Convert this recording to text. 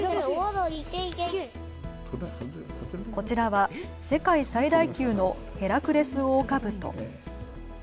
こちらは世界最大級のヘラクレスオオカブト。